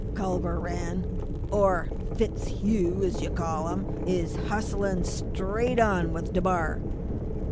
Culver Rann or FitzHugh, as you call him is hustling straight on with DeBar.